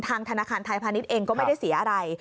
ธนาคารไทยพาณิชย์เองก็ไม่ได้เสียอะไร